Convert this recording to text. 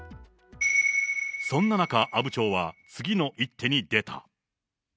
そんな中、阿武町は次の一手に出た。